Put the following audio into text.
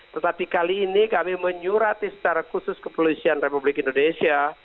tetapi kali ini kami menyurati secara khusus kepolisian republik indonesia